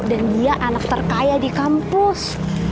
dan dia anak terkaya di kampus